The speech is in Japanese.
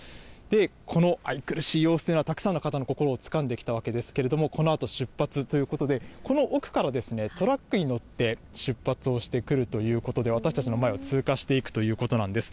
この愛くるしい様子がたくさんの方の心をつかんできたわけですけれども、このあと出発ということで、この奥からトラックに乗って出発をしてくるということで、私たちの前を通過していくということなんです。